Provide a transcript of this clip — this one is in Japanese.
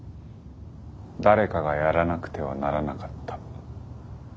誰かがやらなくてはならなかった。